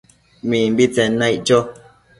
Mimbitsen naic cho